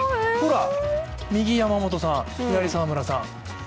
右、山本さん、左、沢村さん。